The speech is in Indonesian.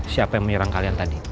siapa yang menyerang kalian tadi